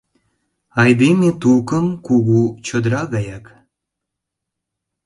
Айдеме тукым кугу чодыра гаяк.